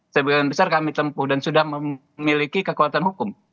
sebagian besar kami tempuh dan sudah memiliki kekuatan hukum